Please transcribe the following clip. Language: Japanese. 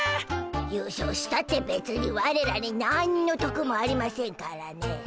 優勝したってべつにワレらになんのとくもありませんからねえ。